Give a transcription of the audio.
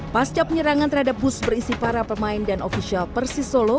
pasca penyerangan terhadap bus berisi para pemain dan ofisial persis solo